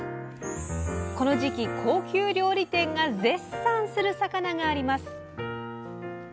この時期高級料理店が絶賛する魚があります。